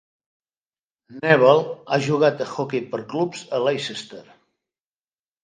Nevill ha jugat a hoquei per clubs a Leicester.